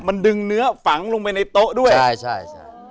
มันดึงเนื้อฝังลงไปในโต๊ะด้วยใช่ใช่